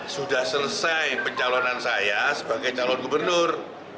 sudah selesai pencalonan saya sebagai calon gubernur